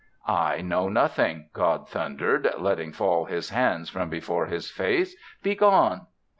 "I know nothing," God thundered, letting fall His hands from before His face. "Be gone."